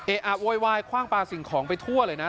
อะโวยวายคว่างปลาสิ่งของไปทั่วเลยนะ